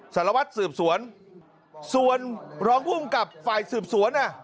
สารวัฒน์สืบสวนส่วนรองคู่มกลับไฟสืบสวน